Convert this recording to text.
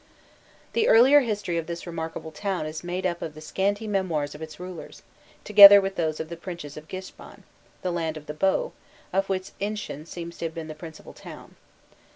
The earlier history of this remarkable town is made up of the scanty memoirs of its rulers, together with those of the princes of Gishban "the land of the Bow," of which Ishin seems to have been the principal town.